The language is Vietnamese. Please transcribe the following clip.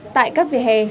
tại các vỉa hè